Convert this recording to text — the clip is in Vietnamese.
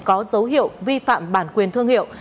có dấu hiệu vi phạm bản quyền thương hiệu